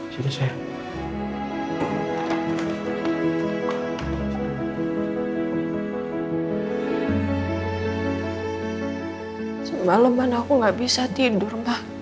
semaleman aku nggak bisa tidur